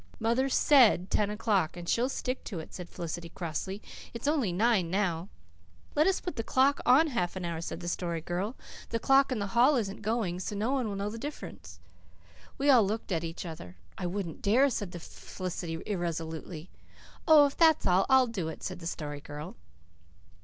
"Mother SAID ten o'clock and she'll stick to it," said Felicity crossly. "It's only nine now." "Let us put the clock on half an hour," said the Story Girl. "The clock in the hall isn't going, so no one will know the difference." We all looked at each other. "I wouldn't dare," said Felicity irresolutely. "Oh, if that's all, I'll do it," said the Story Girl.